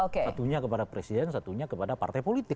satunya kepada presiden satunya kepada partai politik